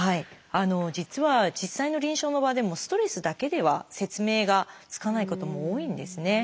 実は実際の臨床の場でもストレスだけでは説明がつかないことも多いんですね。